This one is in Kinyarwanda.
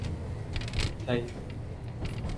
Tayo